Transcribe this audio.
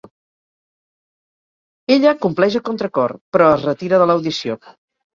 Ella compleix a contracor, però es retira de l'audició.